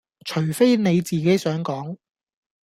除非你自己想講